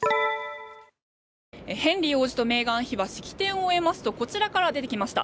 ヘンリー王子とメーガン妃は式典を終えますとこちらから出てきました。